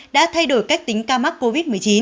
đã thay đổi cách tính ca mắc covid một mươi chín